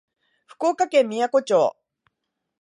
福岡県みやこ町